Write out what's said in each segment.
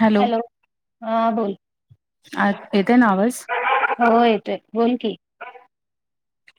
Hello hello हां बोलं आं येते नां आवांज हो येतोय बोलं की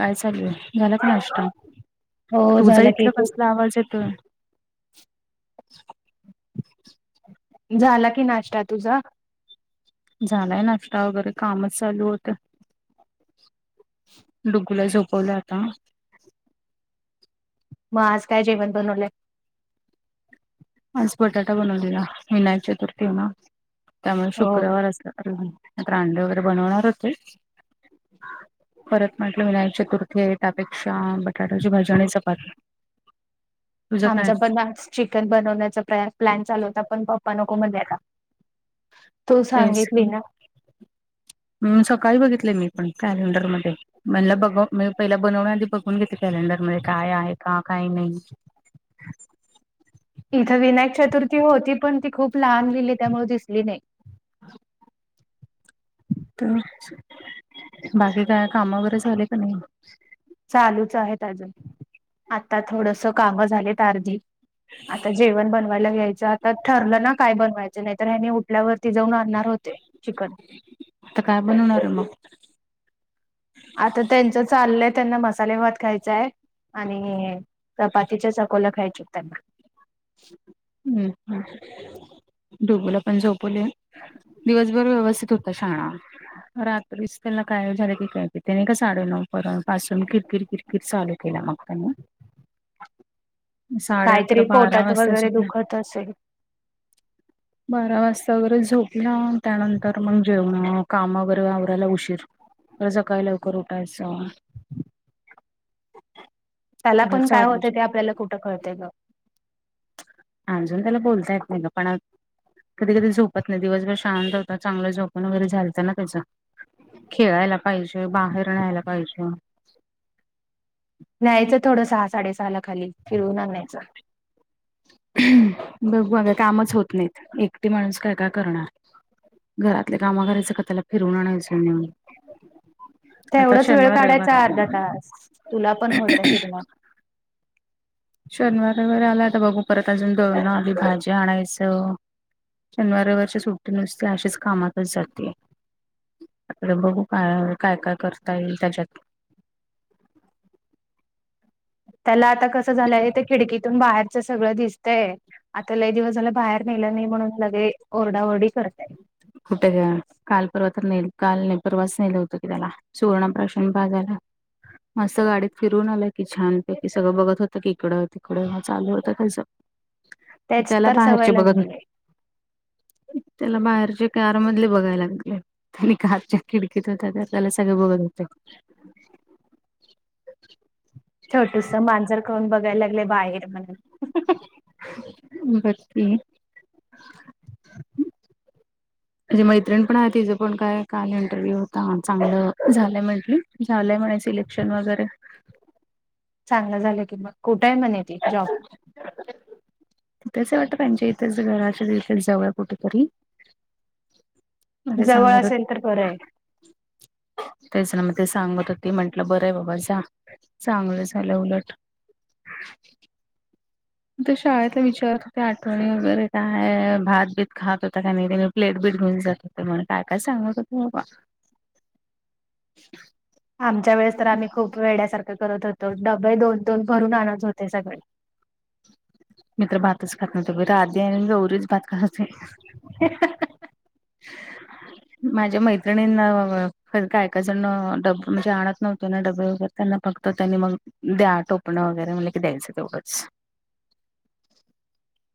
कायं चालूंय झालां कां नांष्टा हो तुंझा झाला की इथल्या तू कसलां आवांज येतोय झालां की नाश्तां तुझां झालायं नाश्ता वगैरें कामचं चालूं होतं ह [unintelligible] डूंगूला झोपवलं आंता मंग आंज कायं जेवणं बनवले आंज बटाटा बनवलेला विनायक चतुर्थी नां त्यामुळें हो शुक्रवार असतं अं अंडे वगैरें बनवणांर होते परंत म्हटलं विनायक चतुर्थी आहे त्यां पेक्षा बटाट्याची भाजी आणि चपाती तुझं काय आमच्या पणं चिकन बनवण्यांचा प्रप्लॅन चालूं होतां पणं पप्पां नको म्हणले आंता तेचं [unintelligible] सकाळीं बघितले मी पणं कॅलेंडरमध्यें म्हणलं बघं मं पहिला बनवण्यांआधी बघूंन घेते कॅलेंडरमध्यें कायं आहे कां कायं नाहीं इथं विनायक चतुर्थी होती पणं ती खूंप लहांन लिहिली त्यामुळें ती दिसली नाहीं [unintelligible] तरं बाकी कायं कामं वगैरें झाले कां नाहीं चालूंच आहेतं अजूंन आंता थोडंसं कामं झालेत अर्धी आंता जेवणं बनवांयला घ्यायचं तर ठरलं ना काय बनवायचं नाही तर हे नी उठल्यावरती जाऊन आणणार होते चिकन. आता काय बनवणार आहे मग? आता त्यांच चाललंय त्यांना मसाले भात खायचाय. आणि चपातीच्या चकोल्या खायच्यायत त्यांना. हम्म, हम्म डोबोला पण झोपोवलय ह. दिवसभर व्यवस्थित होता शाळा रात्रीच त्याला काय झालं की काय कि ते नाही का साडे नऊ पर्यंत पासून कित किरकिरकिर चालू केला मग त्यान. [unintelligible] साडे अकरा, काहीतरी बारा पोटात वाजता वगैरे झोपला. दुखत [unintelligible] बारा वाजता वगैरे झोपला त्यानंतर मग जेवणं काम वगैरे आवरायला उशीर परत सकाळी लवकर उठायचं. त्याला पण काय चालू होत ते आपल्याला कुठं कळते ग. अजून त्याला बोलता येत नाही ग पण कधी, कधी झोपत नाही दिवसभर शांत होता चांगलं झोपून वगैरे झालत ना त्याचं. खेळायला पाहिजे, बाहेर न्यायला पाहिजे. न्यायचं थोडं सहा, साडेसहा ला खाली फिरवून आणायचं. बघू अगं कामच होत नाहीत एकटी माणूस काय, काय करणार. घरातले कामं करायच का त्याला फिरवून आणायचं म आता तेवढाच वेळ शनवार, रविवार काढायचा आला अर्धा म तास तुला पण होतंय फिरणं शनिवार, रविवार वगैरे आलायता बघू परत अजून दळन, आधी भाजी आणायचं. शनवार, रविवार ची सुट्टी नुसती अशीच कामातच जाते. आपल बघू काय, काय, काय करता येईल त्याच्यात. त्याला आता कसं झालंय ते खिडकीतून बाहेरच सगळं दिसतय. आता लय दिवस झाल बाहेर नेलं नाही म्हणून लगे ओरडा, ओरडी करतय. कुठे ग काल परवा तर नेल काल परवाच नेल होतं की त्याला. सुवर्ण प्राशन पाजायला. मस्त गाडीत फिरून आला की छानपैकी सगळं बघत होतं की इकडं, तिकडं चालू होतं त्याचं. तेच तर सवय लागली. होते त्याला बाहेरची कार मधले बघायला लागले आणि कारच्या खिडकीत होत्या ते त्याला सगळे बघत होते. छोटूस मांजर कोण बघायला लागले बाहेर म्हणून बघ की. तुझी मैत्रिण पण हाय तिचं पण काय काल इंटरव्ह्यू होता चांगलं झालंय म्हंटली. झालंय म्हणे सिलेक्शन वगैरे. चांगलं झालं की मग कुठेय म्हणे ती जॉब? तिथंच हाय वाटतं त्यांच्या इथच घराच्या तिथं जवळ कुठं तरी. [unintelligible] म ते सांगत होती. असेल तर [unintelligible] तेच ना म ते सांगत होती म्हंटलं बरंय बाबा जा चांगलं झालं उलट. [inaudible] तर शाळेतला विचारत होते आठवणी वगैरे काय भात बीत खात होता का नाही तेनी प्लेटबीट घेऊन जात होते म्हणे काय, काय सांगत होते बाबा. आमच्या वेळेस तर आम्ही खूप वेड्यासारखं करत होतो, डबे दोन दोन भरून आणत होते सगळे मी तर भातच खात नव्हतो बाई... राधी आणि गौरीच भात खात होते. हं हं हं. [inaudible] माझ्या मैत्रिणींना... काय काय जणं... डब... म्हणजे आणत नव्हते ना डबे वगैरे... त्यांना फक्तं तर त्यांनी मग... द्या टोपणं वगैरे म्हणलं की द्यायचं तेवढंच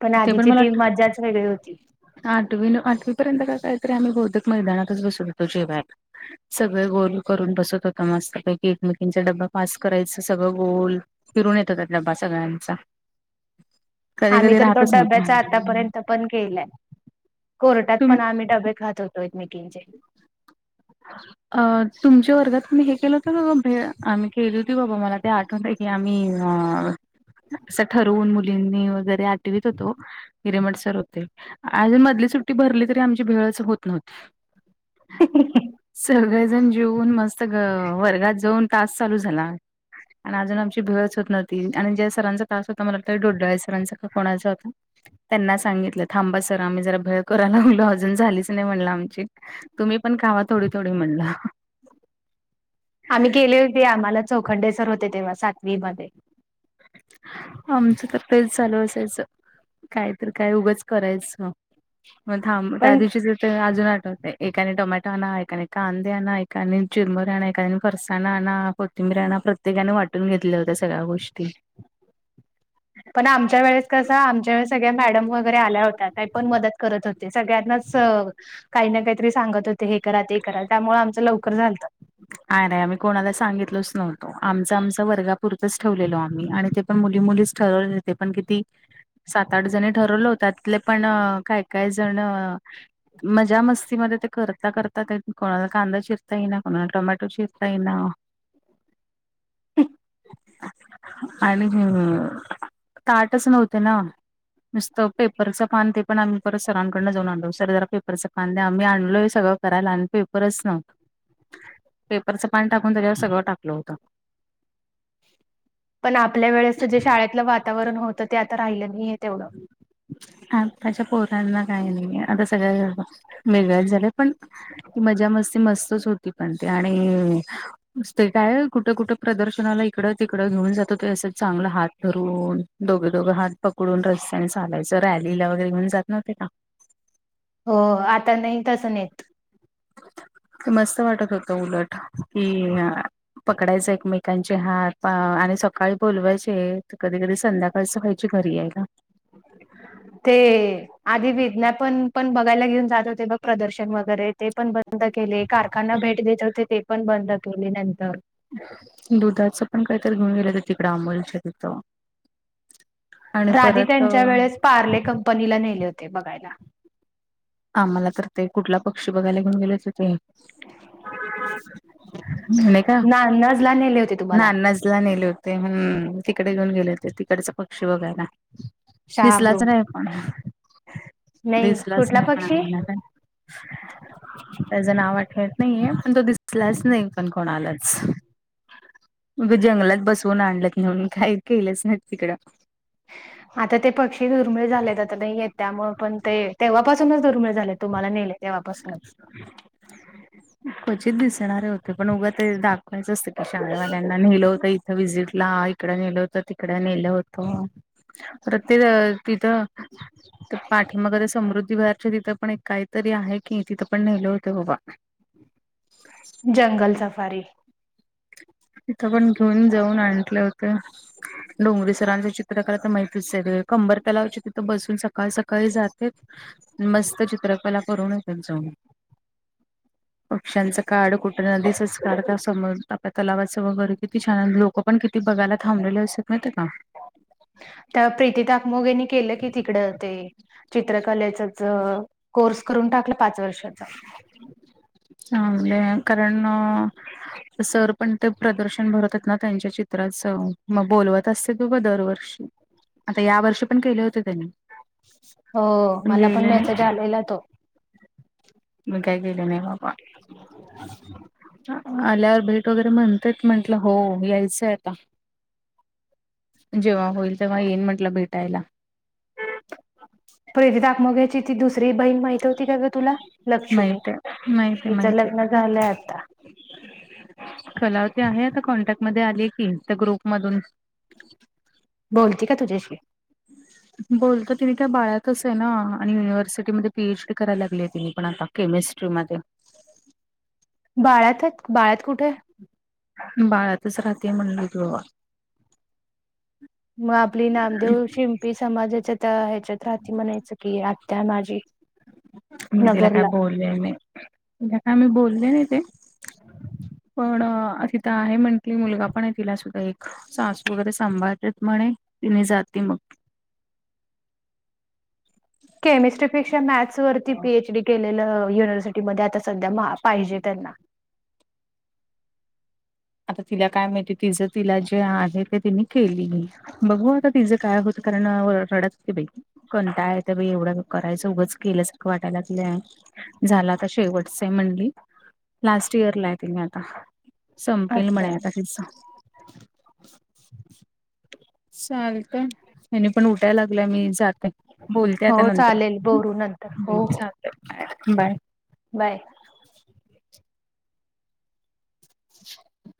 पण ते आधीची मला ती मजाच वेगळी होती. आठवी... आठवी पर्यंत का कायतरी आम्ही बहुतेक मैदानातच बसत होतो जेव्हाय सगळे गोल करून बसत होतो मस्तपैकी... एकमेकींचा डबा पास करायचं सगळं गोल फिरून येत होता डब्बा... सगळ्यांचा. कधी आम्ही कधी तर तो राहतच नव्हता. डब्याचा आतापर्यंत पण केलंय... कोर्टात तुम्ही पण आम्ही डबे खात होतो एकमेकींचे. अ... तुमच्या वर्गात मी हे केलं होतं का गं भेळ? आम्ही केली होती बाबा... मला ते आठवतय की आम्ही असं ठरवून मुलींनी वगैरे... आठवीत होतो. हिरेमटसर होते. अगं मधली सुट्टी भरली तरी आमची भेळच होत नव्हती. हु्हुहू. सगळेजण जेऊन मस्त... ग... वर्गात जाऊन तास चालू झाला. आणि अजून आमची भेळच होत नव्हती आणि ज्या सरांचा तास होता... मला वाटतं, डोडाळे सरांचा का कोणाचा होता त्यांना सांगितलं... थांबा सर, आम्ही जरा भेळ करायला लागलोय... अजून झालीच नाही म्हणलं आमची तुम्ही पण खावा थोडी-थोडी म्हणलं. आम्ही केली होती, आम्हाला चौखंडेसर होते तेव्हा... सातवी मध्ये आमचं तर तेच चालू असायचं... काय तर काय... उगच करायचं. मग थांब... त्या पण दिवशीचं ते अजून आठवतं एकाने टोमाटो आणा... एकाने कांदे आणा... एकाने चुरमरा आणा... एकाने फरसाना आणा. -बीर आना प्रत्येकाने वाटून घेतल्या होत्या सगळ्या गोष्टी. पण आमच्या वेळेस कसं... आमच्या वेळेस सगळ्या मॅडम आल्या होत्या... त्या पण मदत करत होत्या... सगळ्यांनाच काही ना काहीतरी सांगत होते... हे करा... ते करा... त्यामुळे आमचं लवकर झालतं. आरे... आम्ही कोणाला सांगितलच नव्हतो... आमचं -आमचं वर्गापुरतच ठेवलेलो आम्ही आणि ते मुली मुलीच ठरवले होते... पण किती? सात आठ जणी ठरवल्या होत्या... त्यातले पण काय-काय जण मजा मस्तीमध्ये ते करता-करता... ते काय कोणाला कांदा चिरता येईना. मला टोमॅटो चिरता येईना हूं. आणि... हू... ताटच नव्हते ना. नुसतं पेपरच पान.. ते पण आम्ही परत सरांकडन जाऊन आणलो... सर जरा पेपरचं पान द्या... आम्ही आणलोय सगळं करायला... अन पेपरच नव्ह पेपरचं पान टाकून... त्याच्यावर सगळं टाकलं होतं. पण आपल्या वेळेसचं... जे शाळेतलं वातावरण होतं... ते आता राहिलं नाई ए तेवढं. आताच्या पोरांना काय नाहीये... आता सगळे मेंगलट झालेत पण ती मजा मस्ती मस्तच होती पण... ते आणि नुसतं काय कुठे-कुठे प्रदर्शनाला... इकडं तिकडं घेऊन जातं होते... असं चांगलं हात धरून. दोघे-दोघं हात पकडून रस्त्याने चालायचं... रॅलीला वगैरे घेऊन जात नव्हते का? हो आता नाही तसं नेत. ते मस्त वाटत होत उलट कि पकडायच एकमेकांचे हात आणि सकाळी बोलवायचे कधी-कधी संध्याकाळ असं व्हयची घरी यायला. ते आधी विज्ञा पण-पण बघायला घेऊन जात होते बघ प्रदर्शन वगैरे ते पण बंद केले. कारखाना भेट देत होते ते पण बंद केले नंतर. दुधाचं पण काहीतरी घेऊन गेलं तर तिकडं अंमूलच्या तिथं आणि राधी परत त्यांच्या वेळेस पार्ले कंपनीला नेले होते बघायला. आम्हाला तर ते कुठला पक्षी बघायला घेऊन गेले होते ते म्हणे का नानजला नेले होते तुम्हाला नाना नेले होते हम्म तिकडे घेऊन गेले होते तिकडचा पक्षी बघायला. दिसलाच शहाबृग नाही पण नाही दिसलाच कुठला नाही पक्षी? हो त्याचं नाव आठवत नाहीये पण तो दिसलाच नाही पण कोणालाच मग जंगलात बसवून आणलंत नाहीेऊन काही केलंच नाही तिकडं ह आता ते पक्षी दुर्मिळ झालेत आता ते येत त्यामु पण ते तेव्हापासूनच दुर्मिळ झाले तुम्हाला नेले तेव्हापासूनच क्वचित दिसणारे होते पण उगं ते दाखवायचं असते शाळेवाल्यांना नेलं होतं इथं व्हिजिट ला इकडं नेलं होतं तिकडं नेलं होतं रत तिथ ते पाठिमाग ते समृद्धी वरच्या तिथं पण काहीतरी आहे की तिथं पण नेले होते बाबा. जंगल सफारी तिथं पण घेऊन जाऊन आणलं होत. डोंगरी सरांचं चित्र कलाय तर माहतीच कंबर तलावचे तिथं बसून सकाळ सकाळी जाते मस्त चित्रकला करून य त्यांच्या वृक्षांचं काड कुठून नधी संचकारता समोर टा कलावाचं वगैरे किती छान लोकं पण किती बघायला थांबले असत नाहीत का त्या प्रीती ताकमोगेनी केलं की तिकड ते चित्रकलेच कोर्स करून टाकला पाच वर्षाचा हे कारण सर पण ते प्रदर्शन भरतात ना त्यांच्या चित्रात मग बोलवत असते ग दरवर्षी आता या वर्षी पण केले होते त्यानी हो मला पण मेसेज आलेला तो मी काय केलं नाही बा ह आल्यावर भेट वगैरे म्हणतेेत म्हंटलं हो यायचंय आता जेव्हा होईल तेव्हा येईन म्हटलं भेटायला प्र दाखमग्याची ती दुसरी बहीण माहती होती का ग तुला लक्ष्मी माहित आहे माहिती आहे तिचं माहिती लग्न आहे झालंय आता कलावती आहे आता कॉन्टॅक्टमध्येध्ये आली आहे की त्या ग्रुपमधून बोलते का तुझ्याशी बोलत तिने त्या बाळ्यातच आहे ना आणि युनिव्हर्सिटी म पीएच डी करायला लागली आहे तिने पण आता केमिस्ट्रीमध्ये. बाळ्यातच. बाळ्यात कुठे? बाळातच राहते म्हणल [unintelligible] म आपली नामदेव शिंपी समाजाच्या त्या ह्याच्यात राहाती म्हणायचं की आत्या माझी. मी तिला काय नगरला बोलले नाही. तिला काय मी बोलले नाही ते. पण तिथ आहे म्हण- आणि मुलगा पण आहे तिला छोटा एक. सासू वगैरे सांभाळतात म्हणे. मी जाते मग. केमिस्ट्रीपेक्षा मॅथ्स वरती पी एच डी केलेलंए. युनिव्हर्सिटीमध्ये. आता सध्या मा- पाहिजे त्यांना. आता तिला काय माहिती. तिचं तिला जे आहे ते तिने केलेली. बघू आता तिचं काय होतं. कारण रडत होती बाई ती. कंटाळा येतो बाई एवढं करायचं. उगंच केल्यासारखं वाटायला लागलंय. झाल आता शेवटच आहे म्हणली. लास्ट इयर ला आहे ती म आता. संपेल म्हणे अच्छा आता तिच. चालत. आनी त्या उठायला लागल्या [unintelligible] हो. चालेल. बोलू नंतर. हो हं, चालतंय. बाय. बाय.